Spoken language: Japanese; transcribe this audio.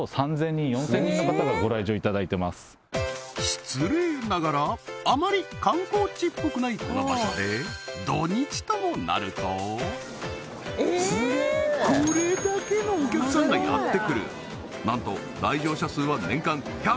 失礼ながらあまり観光地っぽくないこの場所で土日ともなるとこれだけのお客さんがやって来る！